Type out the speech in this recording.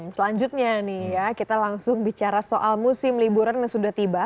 selanjutnya nih ya kita langsung bicara soal musim liburan yang sudah tiba